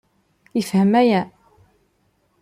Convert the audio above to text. Yefhem aya?